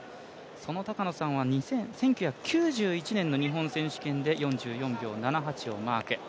その高野さんはその高野さんは９１年の日本選手権で４４秒７８をマーク。